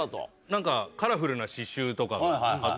何かカラフルな刺しゅうとかあった。